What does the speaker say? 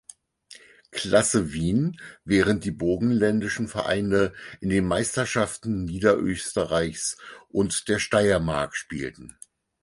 Klasse Wien, während die burgenländischen Vereine in den Meisterschaften Niederösterreichs und der Steiermark spielten.